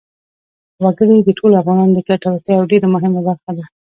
وګړي د ټولو افغانانو د ګټورتیا یوه ډېره مهمه برخه ده.